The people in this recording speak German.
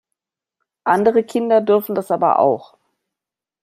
Andere Kinder dürfen das aber auch!